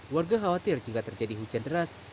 warga khawatir jika terjadi hujan deras